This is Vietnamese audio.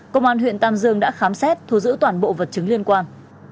công an huyện tam dương đã khám xét thu giữ toàn bộ vật chứng liên quan